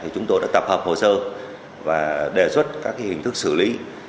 chúng tôi đã tập hợp hồ sơ và đề xuất các hình thức xử lý